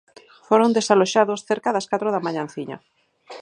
Foron desaloxados cerca das catro da mañanciña.